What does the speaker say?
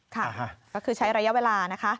ค่ะก็คือใช้ระยะเวลานะคะ